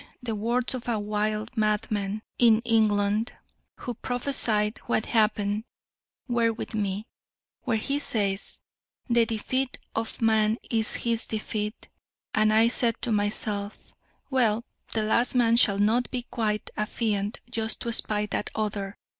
The words of a wild madman, that preaching man in England who prophesied what happened, were with me, where he says: 'the defeat of Man is His defeat'; and I said to myself: 'Well, the last man shall not be quite a fiend, just to spite That Other.'